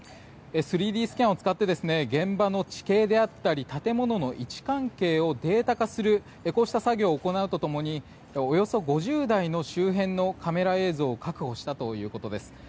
３Ｄスキャンを使って現場の地形であったり建物の位置関係をデータ化するといった作業を行うと共におよそ５０台の周辺のカメラ映像を確保したということです。